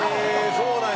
そうなんや。